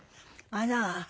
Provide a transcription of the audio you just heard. あら。